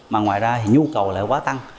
mà ngoài ra nhu cầu lại quá tăng